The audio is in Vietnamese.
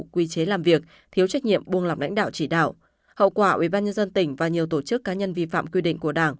quy chế làm việc thiếu trách nhiệm buông lọc lãnh đạo chỉ đạo hậu quả ủy ban nhân dân tỉnh và nhiều tổ chức cá nhân vi phạm quy định của đảng